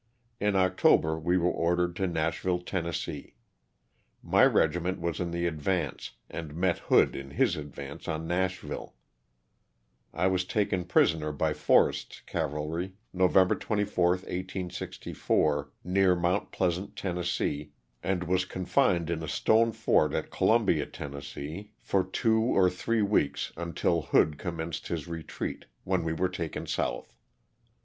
In Octo ber we were ordered to Nashville, Tenn. My regi ment was in the advance and met Hood in his advance on Nashville. I was taken prisoner by Forrest's Cav alry November 24, 1864, near Mount Pleasant, Tenn., and was confined in a stone fort at Columbia, Tenn., 374 LOSS OF THE SULTANA. for two or three weeks until Hood commenced his retreat, when we were taken south.